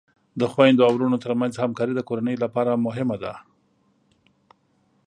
د خویندو او ورونو ترمنځ همکاری د کورنۍ لپاره مهمه ده.